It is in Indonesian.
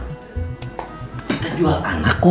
kita jual anak kos